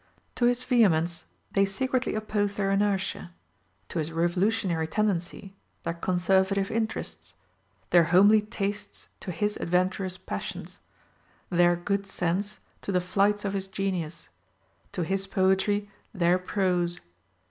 To his vehemence they secretly oppose their inertia; to his revolutionary tendencies their conservative interests; their homely tastes to his adventurous passions; their good sense to the flights of his genius; to his poetry their prose.